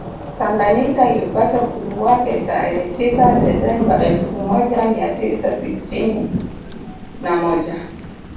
Tanganyika ilipata uhuru wake tarehe tisa Desemba elfu moja mia tisa sitini na moja